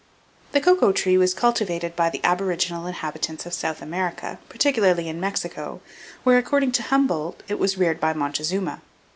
The cocoa tree was cultivated by the aboriginal inhabitants of South America, particularly in Mexico, where, according to Humboldt, it was reared by Montezuma.